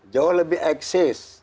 jauh lebih eksis